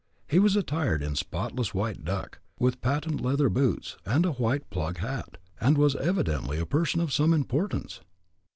He was attired in spotless white duck, with patent leather boots, and a white "plug" hat, and was evidently a person of some importance!